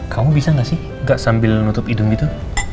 kamu bisa gak sih gak sambil nutup hidung gitu